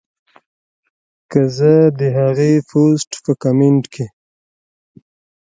کۀ زۀ د هغې پوسټ پۀ کمنټ کښې